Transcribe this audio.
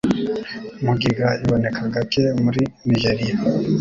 Mugiga iboneka gake muri Nigeria